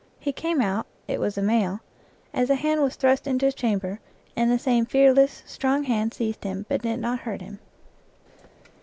He came out (it was a male) as a hand was thrust into his chamber, and the same fearless, strong hand seized him, but did not hurt him.